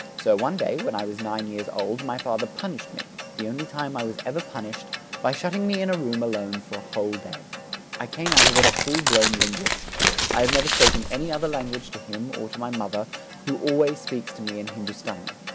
So one day, when I was nine years old, my father punished me the only time I was ever punished by shutting me in a room alone for a whole day. I came out of it a full blown linguist. I have never spoken any other language to him, or to my mother, who always speaks to me in Hindustani.